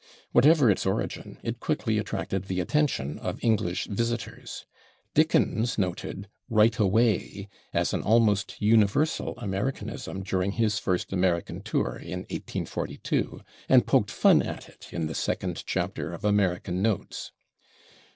Whatever its origin, it quickly attracted the attention of English visitors. Dickens noted /right away/ as an almost universal Americanism during his first American tour, in 1842, and poked fun at it in the second chapter of "American Notes."